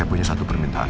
saya punya satu permintaan